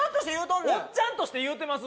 おっちゃんとして言うてます？